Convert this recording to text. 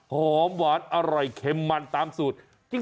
หอมหวานอร่อยเค็มมันตามสูตร